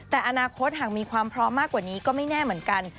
แต่อนาคตหากมีความพร้อมมากกว่านี้ก็ไม่แน่เหมือนกัน